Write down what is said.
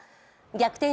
逆転